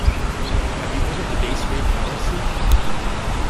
Have you heard of the base rate fallacy?